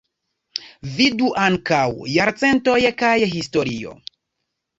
Vidu ankaŭ: Jarcentoj kaj Historio.